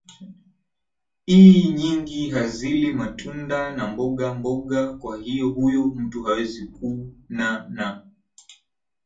ii nyingi hazili matunda na mboga mboga kwa hivyo huyo mtu hawezi kuna na